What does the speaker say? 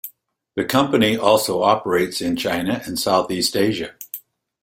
The company also operates in China and Southeast Asia.